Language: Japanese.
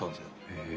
へえ。